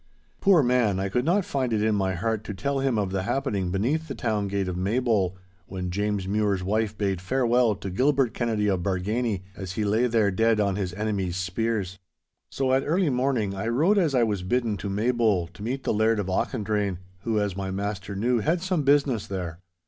Poor man—I could not find it in my heart to tell him of the happening beneath the town gate of Maybole, when James Mure's wife bade farewell to Gilbert Kennedy of Bargany, as he lay there dead on his enemies' spears. So at early morning I rode as I was bidden to Maybole to meet the Laird of Auchendrayne, who, as my master knew, had some business there.